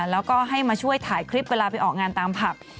แล้วก็ให้มาช่วยถ่ายคลิปเวลาไปออกงานตามผับ